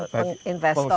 chair nanti baru itu